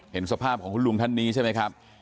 เห็นสภาพของคุณลุงท่านนี้ใช่ไหมครับ